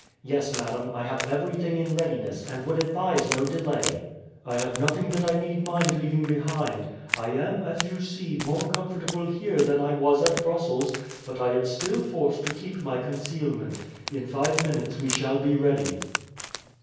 "Yes, madam, I have everything in readiness, and would advise no delay." "I have nothing that I need mind leaving behind. I am, as you see, more comfortable here than I was at Brussels; but I am still forced to keep my concealment. In five minutes we shall be ready."